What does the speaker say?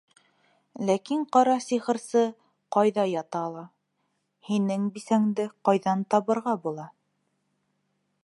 Ләкин ҡара сихырсы ҡайҙа ята ла, һинең бисәңде ҡайҙан табырға була?